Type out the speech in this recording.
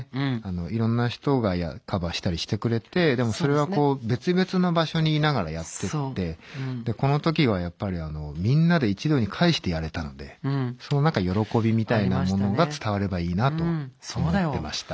いろんな人がカバーしたりしてくれてでもそれはこう別々の場所にいながらやっててこの時はやっぱりみんなで一堂に会してやれたのでその何か喜びみたいなものが伝わればいいなと思ってました。